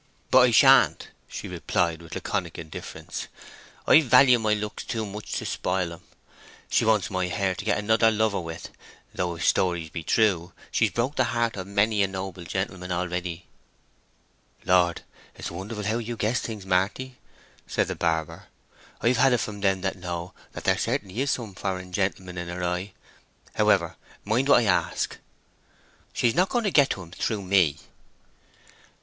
"But I sha'nt," she replied, with laconic indifference. "I value my looks too much to spoil 'em. She wants my hair to get another lover with; though if stories are true she's broke the heart of many a noble gentleman already." "Lord, it's wonderful how you guess things, Marty," said the barber. "I've had it from them that know that there certainly is some foreign gentleman in her eye. However, mind what I ask." "She's not going to get him through me."